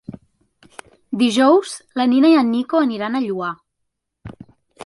Dijous na Nina i en Nico aniran al Lloar.